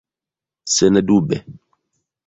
sendube